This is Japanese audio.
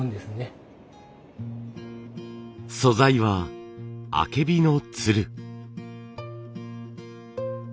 素材はあけびのつる。